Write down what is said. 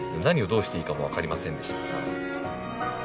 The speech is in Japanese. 何をどうしていいかもわかりませんでしたから。